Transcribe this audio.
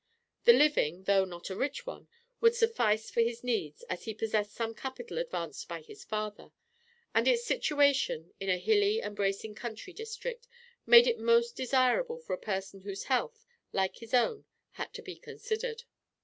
The living, though not a rich one, would suffice for his needs, as he possessed some capital advanced by his father: and its situation, in a hilly and bracing country district, made it most desirable for a person whose health, like his own, had to be considered.